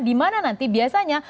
di mana nanti biasanya